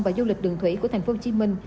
và du lịch đường thủy của thành phố hồ chí minh